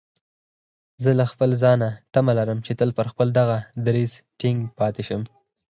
زه له ځانه تمه لرم چې تل پر خپل دغه دريځ ټينګ پاتې شم.